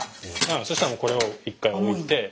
そしたらこれを１回置いて。